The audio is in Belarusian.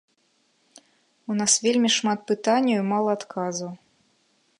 У нас вельмі шмат пытанняў і мала адказаў.